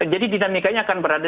jadi dinamikanya akan berada